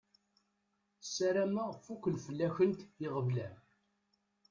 Sarameɣ fukken fell-akent iɣeblan.